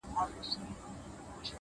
مـاتــه يــاديـــده اشـــــنـــا ـ